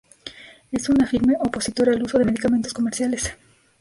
Es una firme opositora al uso de medicamentos comerciales.